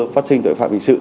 phát sinh tội phạm hình sự